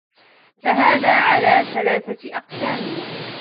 فَهَذَا عَلَى ثَلَاثَةِ أَقْسَامٍ